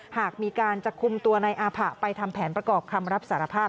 หากมีการจะคุมตัวในอาผะไปทำแผนประกอบคำรับสารภาพ